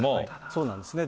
そうなんですね。